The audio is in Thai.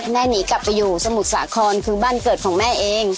หนีกลับไปอยู่สมุทรสาครคือบ้านเกิดของแม่เอง